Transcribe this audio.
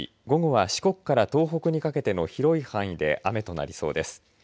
午後は四国から東北にかけての広い範囲で雨となりそうです。